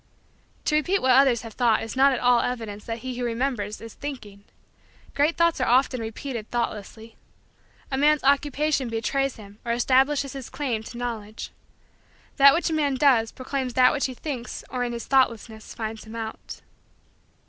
To repeat what others have thought is not at all evidence that he who remembers is thinking. Great thoughts are often repeated thoughtlessly. A man's Occupation betrays him or establishes his claim to Knowledge. That which a man does proclaims that which he thinks or in his thoughtlessness finds him out.